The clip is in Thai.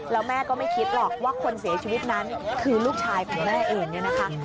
แล้วแม่ก็ไม่คิดหรอกว่าคนเสียชีวิตนั้นคือลูกชายของแม่เองเนี่ยนะคะ